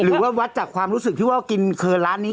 หรือว่าวัดจากความรู้สึกที่ว่ากินเคยร้านนี้